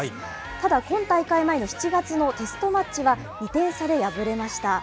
ただ、今大会前の７月のテストマッチは２点差で敗れました。